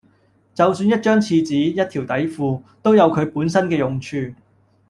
就算一張廁紙、一條底褲，都有佢本身嘅用處